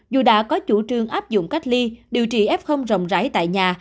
dù đã có chủ trương áp dụng cách ly điều trị f rộng rãi tại nhà